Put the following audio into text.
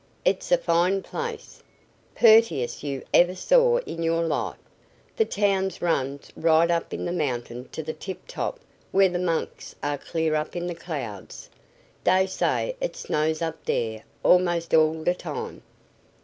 It's a fine place, purtiest you ever saw in your life. The town runs right up the mountain to the tip top where the monks are clear up in d' clouds. Dey say it snows up dere almost all d' time."